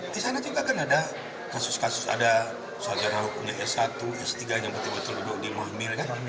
di sana juga kan ada kasus kasus ada sarjana hukumnya s satu s tiga yang tiba tiba terduduk di mahmir kan